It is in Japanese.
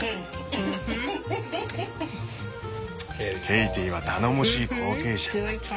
ケイティは頼もしい後継者。